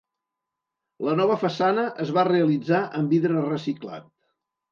La nova façana es va realitzar amb vidre reciclat.